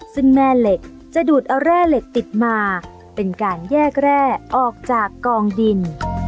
ซึ่งแม่เหล็กจะดูดเอาแร่เหล็กติดมาเป็นการแยกแร่ออกจากกองดิน